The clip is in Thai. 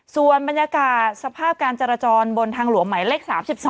ส่วนบรรยากาศสภาพการจราจรบนทางหลวงหมายเลข๓๒